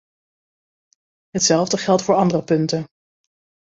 Hetzelfde geldt voor andere punten.